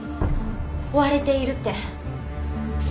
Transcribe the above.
追われているって。